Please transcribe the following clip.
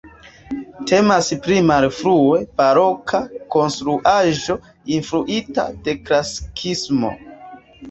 Temas pri malfrue baroka konstruaĵo influita de klasikismo.